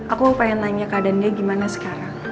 aku mau tanya keadaan dia gimana sekarang